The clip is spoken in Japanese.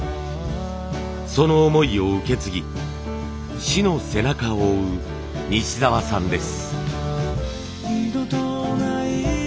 その思いを受け継ぎ師の背中を追う西澤さんです。